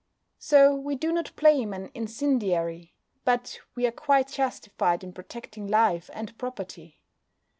So we do not blame an incendiary. But we are quite justified in protecting life and property.